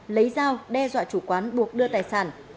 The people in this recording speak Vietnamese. lấy dao đe dọa chủ quán buộc đưa tài sản